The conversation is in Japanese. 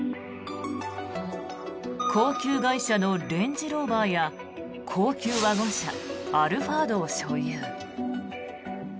高級外車のレンジローバーや高級ワゴン車アルファードを所有。